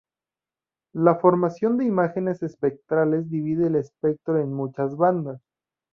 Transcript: La formación de imágenes espectrales divide el espectro en muchas bandas.